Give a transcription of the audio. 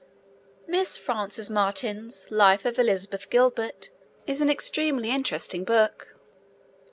Miss Frances Martin's Life of Elizabeth Gilbert is an extremely interesting book.